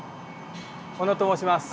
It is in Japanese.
小野と申します。